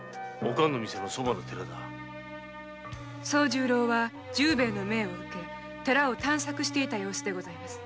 惣十郎は坂崎の命を受け寺を探索していた様子でございます。